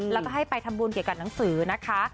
แล้วก็ให้ไปทำบุญเกี่ยวกับหนังสือนะคะ